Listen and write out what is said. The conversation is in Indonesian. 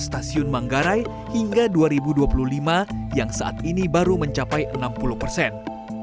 sehingga kepadatan yang akan mencapai enam puluh persen